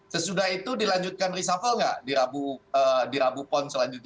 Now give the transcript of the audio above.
sesudah itu dilanjutkan reshuffle nggak di rabu pon selanjutnya